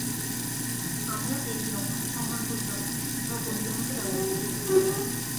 আমরা একে অপরকে সম্মান করতাম, সহকর্মীদের মত ব্যবহার করতাম।